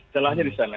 telahnya di sana